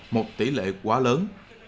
một tỷ lệ quá lớn